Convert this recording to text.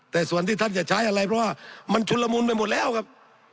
แต่ส่วนที่ท่านจะใช้อะไรเพราะว่ามันชุนละมุนไปหมดแล้วครับ